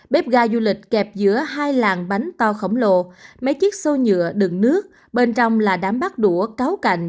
bếp ga du lịch kẹp giữa hai làng bánh to khổng lồ mấy chiếc xô nhựa đựng nước bên trong là đám bắt đũa cáu cảnh